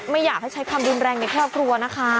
ไม่อยากให้ใช้คำรุนแรงในครอบครัวนะคะ